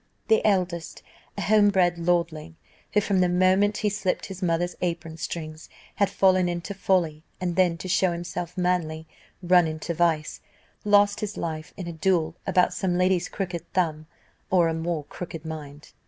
The eldest, a homebred lordling, who, from the moment he slipped his mother's apron strings, had fallen into folly, and then, to show himself manly, run into vice, lost his life in a duel about some lady's crooked thumb, or more crooked mind.